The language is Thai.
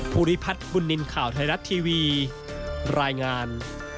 ภูริพัฒน์บุญนินทร์ข่าวไทยรัฐทีวีรายงาน